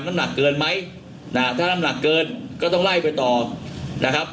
น้ำหนักเกินไหมนะฮะถ้าน้ำหนักเกินก็ต้องไล่ไปต่อนะครับ